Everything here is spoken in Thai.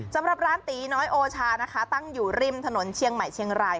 สำหรับร้านตีน้อยโอชานะคะตั้งอยู่ริมถนนเชียงใหม่เชียงราย